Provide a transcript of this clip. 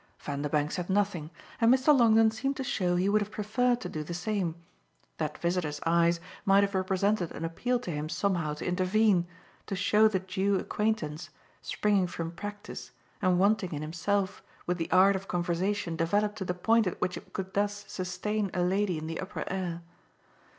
Vanderbank said nothing, and Mr. Longdon seemed to show he would have preferred to do the same: that visitor's eyes might have represented an appeal to him somehow to intervene, to show the due acquaintance, springing from practice and wanting in himself, with the art of conversation developed to the point at which it could thus sustain a lady in the upper air.